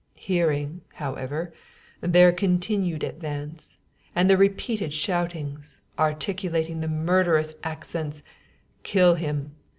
Hearing, however, their continued advance, and the repeated shoutings, articulating the murderous accents, 'Kill him!